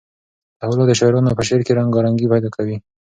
تحولات د شاعرانو په شعر کې رنګارنګي پیدا کوي.